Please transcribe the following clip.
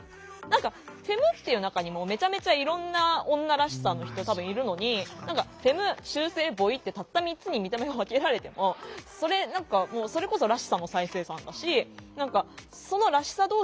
フェムっていう中にもめちゃめちゃいろんな女らしさの人多分いるのに「フェム」「中性」「ボイ」ってたった３つに見た目を分けられてもそれこそ「らしさ」の再生産だし「その『らしさ』同士で本当に出会いたいのか？」